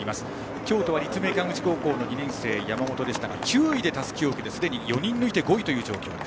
京都は立命館宇治高校１年生の山本でしたが９位でたすきを受けてすでに４人抜いて５位という状況。